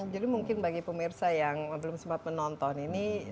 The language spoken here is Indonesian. jadi mungkin bagi pemirsa yang belum sempat menonton ini